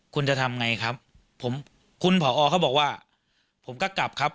คุณจะทำไงครับผมคุณผอเขาบอกว่าผมก็กลับครับ